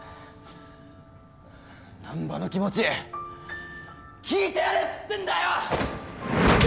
難破の気持ち聞いてやれっつってんだよ！